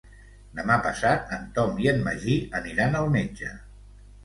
Demà passat en Tom i en Magí aniran al metge.